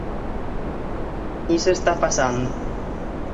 Iso está pasando.